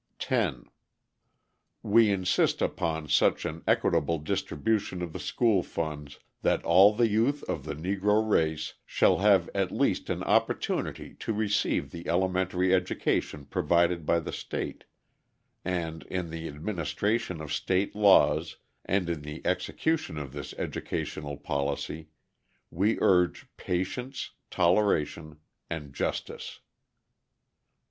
10. We insist upon such an equitable distribution of the school funds that all the youth of the Negro race shall have at least an opportunity to receive the elementary education provided by the state, and in the administration of state laws, and in the execution of this educational policy, we urge patience, toleration, and justice.